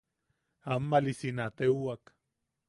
Ammalisi na teuwak.